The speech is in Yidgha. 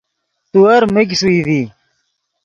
تیور میگ ݰوئی ڤی